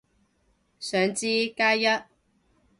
想知，加一